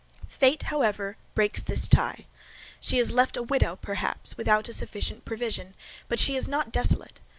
Fate, however, breaks this tie. She is left a widow, perhaps, without a sufficient provision: but she is not desolate!